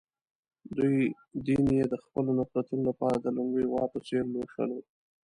دوی دین یې د خپلو نفرتونو لپاره د لُنګې غوا په څېر لوشلو.